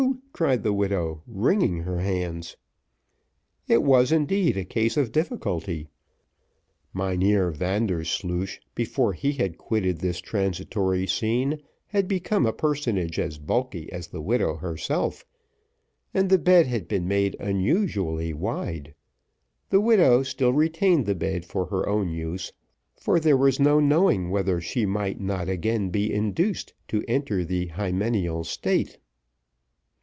cried the widow, wringing her hands. It was indeed a case of difficulty. Mynheer Vandersloosh, before he had quitted this transitory scene, had become a personage as bulky as the widow herself, and the bed had been made unusually wide; the widow still retained the bed for her own use, for there was no knowing whether she might not again be induced to enter the hymeneal state.